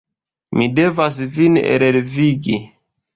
Mi devas vin elrevigi.